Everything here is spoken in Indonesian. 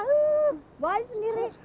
wuh gua aja sendiri